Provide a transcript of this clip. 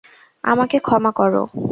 আমাকে ক্ষমা করো?